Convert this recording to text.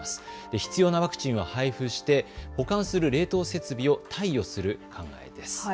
必要なワクチンを配布して保管する冷凍設備を貸与する考えです。